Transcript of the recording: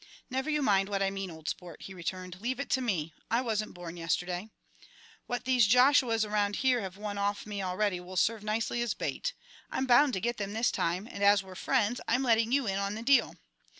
"Never you mind what I mean, old sport," he returned. "Leave it to me. I wasn't born yesterday. What these Joshuas around here have won off me already will serve nicely as bait. I'm bound to get them this time, and, as we're friends, I'm letting you in on the deal.